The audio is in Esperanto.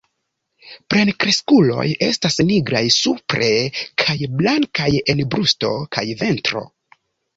Plenkreskuloj estas nigraj supre kaj blankaj en brusto kaj ventro.